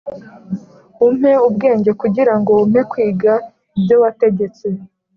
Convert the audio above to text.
Umpe ubwenge kugirango umpe kwiga ibyo wategetse